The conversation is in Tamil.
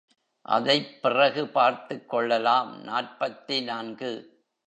அதைப்பிறகு பார்த்துக்கொள்ளலாம் நாற்பத்து நான்கு.